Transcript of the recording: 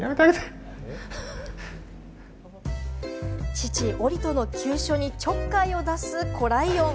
父・オリトの急所にちょっかいを出す、子ライオン。